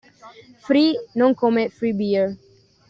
Free non come “free beer”).